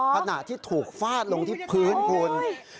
ขณะที่ถูกฟาดลงที่พื้นคุณ